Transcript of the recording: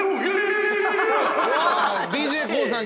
ＤＪＫＯＯさん